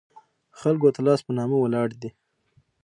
خلکو ته لاس په نامه ولاړ دي.